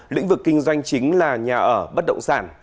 lĩnh vực kinh doanh chính là nhà ở bất động sản